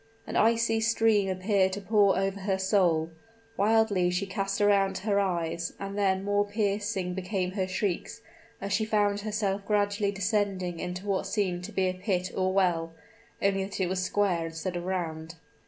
An icy stream appeared to pour over her soul; wildly she cast around her eyes, and then more piercing became her shrieks, as she found herself gradually descending into what seemed to be a pit or well only that it was square instead of round.